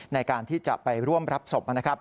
ในการที่จะไปร่วมรับศพ